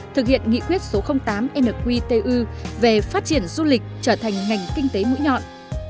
thực hiện nghị quyết số tám nqtu về phát triển du lịch trở thành ngành kinh tế mũi nhọn